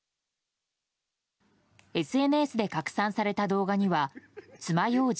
ＳＮＳで拡散された動画には「つまようじ